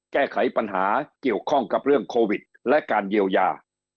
แก้ไขปัญหาเกี่ยวข้องกับเรื่องโควิดและการเยียวยา